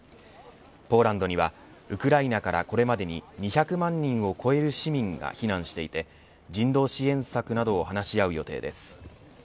ポーランドにはウクライナからこれまでに２００万人を超える市民が避難していて人道支援策などを話し合う予定です。